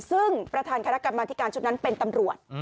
ซึ่งประธานคณะกรรมธิการชุดนั้นเป็นตำรวจ